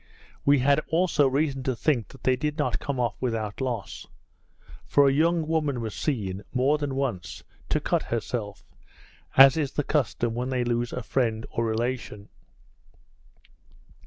We had also reason to think that they did not come off without loss; for a young woman was seen, more than once, to cut herself, as is the custom when they lose a friend or relation.